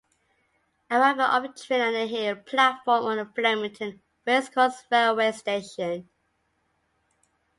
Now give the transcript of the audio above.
Arrival of Train at the Hill platform on the Flemington Racecourse railway station.